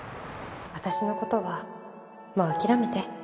私の事はもう諦めて。